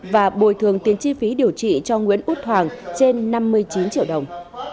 và bồi thường tiền chi phí điều trị cho nguyễn út hoàng trên năm mươi chín triệu đồng